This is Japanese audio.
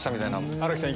新木さん